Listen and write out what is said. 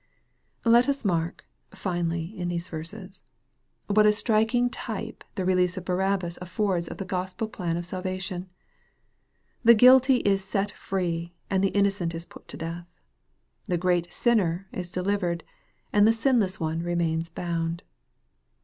Let us mark, finally, in these verses, what a striking type the release of Barabbas affords of the Gospel plan of salvation. The guilty is set free and the innocent is put to death. The great sinner is delivered, and the sin less one remains bound.